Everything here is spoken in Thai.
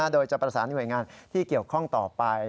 โดยจะประสานหน่วยงานที่เกี่ยวข้องต่อไป